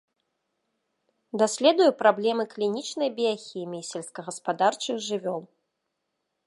Даследуе праблемы клінічнай біяхіміі сельскагаспадарчых жывёл.